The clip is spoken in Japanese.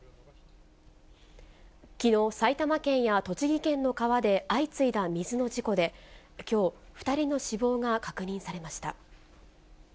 きのう、埼玉県や栃木県の川で相次いだ水の事故で、きょう、２人の死亡が確認されました。